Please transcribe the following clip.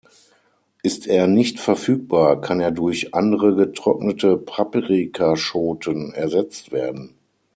Ist er nicht verfügbar, kann er durch andere getrocknete Paprikaschoten ersetzt werden.